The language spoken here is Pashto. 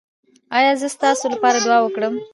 ایا زه ستاسو لپاره دعا وکړم؟